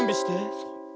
そう。